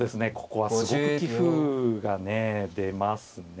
ここはすごく棋風がね出ますね。